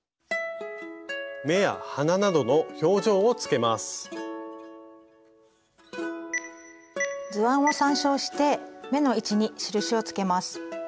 目や鼻などの図案を参照して目の位置に印をつけます。